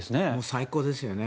最高ですよね。